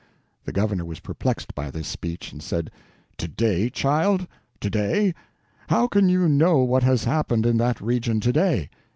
The governor was perplexed by this speech, and said: "To day, child, to day? How can you know what has happened in that region to day?